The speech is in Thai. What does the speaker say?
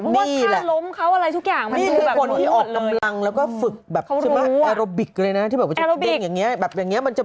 เพราะว่าถ้าล้มเขาอะไรทุกอย่างมันนะ